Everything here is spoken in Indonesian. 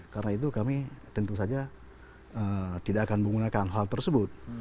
karena itu kami tentu saja tidak akan menggunakan hal tersebut